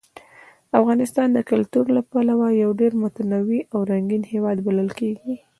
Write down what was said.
افغانستان د کلتور له پلوه یو ډېر متنوع او رنګین هېواد بلل کېږي.